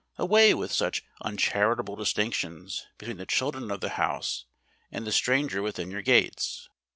Away with such uncharitable distinctions between the children of the house and the stranger within your gates.